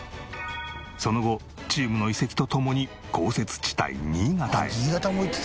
その後チームの移籍とともに豪雪地帯新潟へ。